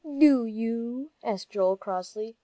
"Do you?" asked Joel, crossly.